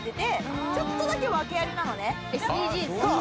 そう！